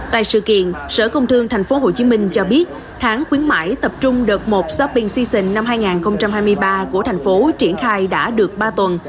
tại sự kiện sở công thương tp hcm cho biết tháng khuyến mại tập trung đợt một shopping seasion năm hai nghìn hai mươi ba của thành phố triển khai đã được ba tuần